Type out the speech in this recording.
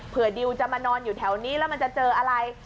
ดิวจะมานอนอยู่แถวนี้แล้วมันจะเจออะไร